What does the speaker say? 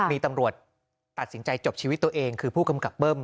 มีตำรวจตัดสินใจจบชีวิตตัวเองคือผู้กำกับเบิ้ม